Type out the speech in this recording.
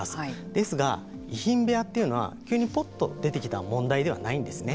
ですが、遺品部屋というのは急にぽっと出てきた問題ではないんですね。